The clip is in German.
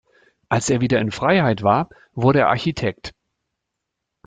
Als er wieder in Freiheit war, wurde er Architekt.